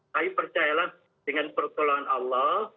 saya percayalah dengan pertolongan allah